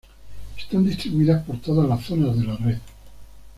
Están distribuidas por todas las zonas de la red.